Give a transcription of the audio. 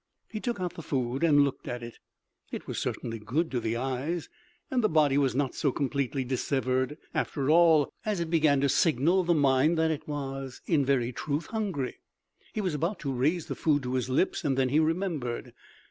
He took out the food and looked at it. It was certainly good to the eyes, and the body was not so completely dissevered after all, as it began to signal the mind that it was, in very truth, hungry. He was about to raise the food to his lips and then he remembered.